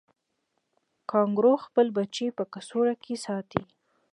کانګارو خپل بچی په کڅوړه کې ساتي